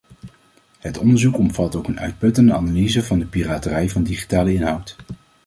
Het onderzoek omvat ook een uitputtende analyse van de piraterij van digitale inhoud.